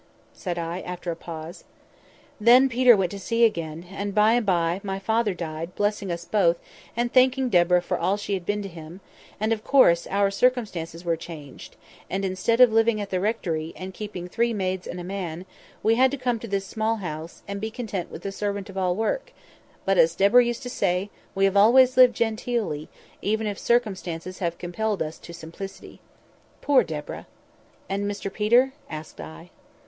said I, after a pause. "Then Peter went to sea again; and, by and by, my father died, blessing us both, and thanking Deborah for all she had been to him; and, of course, our circumstances were changed; and, instead of living at the rectory, and keeping three maids and a man, we had to come to this small house, and be content with a servant of all work; but, as Deborah used to say, we have always lived genteelly, even if circumstances have compelled us to simplicity. Poor Deborah!" "And Mr Peter?" asked I.